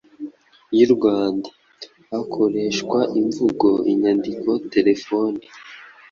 yu Rwanda. Hakoreshwa imvugo, inyandiko, terefoni,